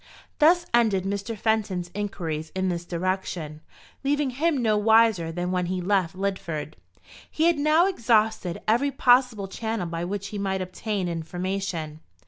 Thus ended Mr. Fenton's inquiries in this direction, leaving him no wiser than when he left Lidford. He had now exhausted every possible channel by which he might obtain information.